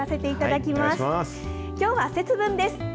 きょうは節分です。